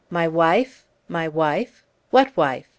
"MY WIFE! MY WIFE! WHAT WIFE?